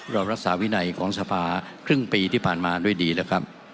เรารักษาวินัยของสภาครึ่งปีที่ผ่านมาด้วยดีแล้วครับ